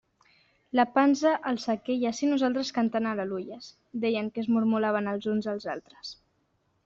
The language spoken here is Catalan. «La pansa al sequer i ací nosaltres cantant al·leluies!», deien que es mormolaven els uns als altres.